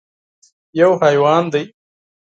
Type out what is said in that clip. _يو حيوان دی.